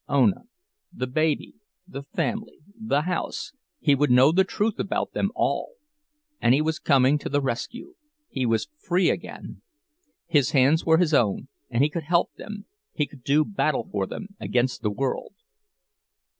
Ona—the baby—the family—the house—he would know the truth about them all! And he was coming to the rescue—he was free again! His hands were his own, and he could help them, he could do battle for them against the world.